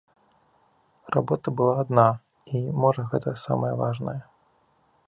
Работа была адна, і можа гэта самае важнае.